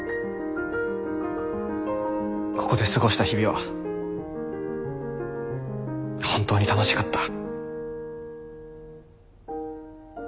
「ここで過ごした日々は本当に楽しかった」。